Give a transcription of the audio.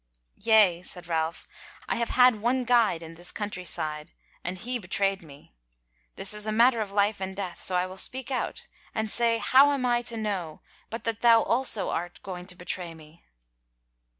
"Yea," said Ralph, "I have had one guide in this country side and he bewrayed me. This is a matter of life and death, so I will speak out and say how am I to know but that thou also art going about to bewray me?"